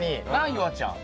夕空ちゃん。